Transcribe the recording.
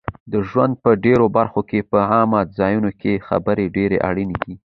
د ژوند په ډېرو برخو کې په عامه ځایونو کې خبرې ډېرې اړینې دي